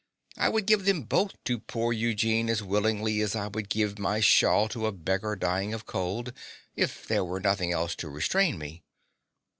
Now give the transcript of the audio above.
I would give them both to poor Eugene as willingly as I would give my shawl to a beggar dying of cold, if there were nothing else to restrain me.